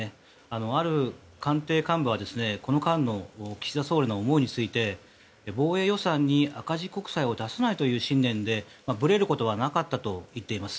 ある官邸幹部はこの間の岸田総理の思いについて防衛予算に赤字国債を出さないという信念でぶれることはなかったと言っています。